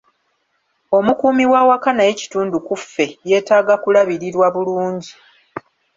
Omukuumi wawaka naye kitundu ku ffe yetaaga kulabirirwa bulungi.